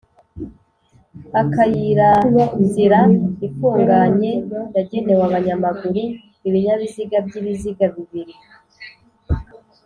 AkayiraInzira ifunganye yagenewe abanyamaguru, ibinyabiziga by’ibiziga bibiri